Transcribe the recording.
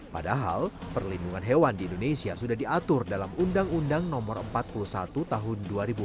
padahal perlindungan hewan di indonesia sudah diatur dalam undang undang no empat puluh satu tahun dua ribu empat belas